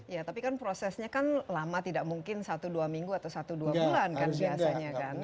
ya tapi kan prosesnya kan lama tidak mungkin satu dua minggu atau satu dua bulan kan biasanya kan